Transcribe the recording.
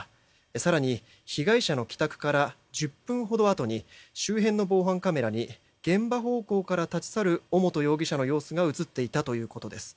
更に、被害者の帰宅から１０分ほどあとに周辺の防犯カメラに現場方向から立ち去る尾本容疑者の様子が映っていたということです。